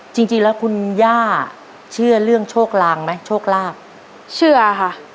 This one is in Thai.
จริงจริงแล้วคุณย่าเชื่อเรื่องโชคลางไหมโชคลาภเชื่อค่ะ